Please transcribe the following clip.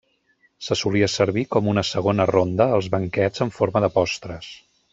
Se solia servir com una segona ronda als banquets en forma de postres.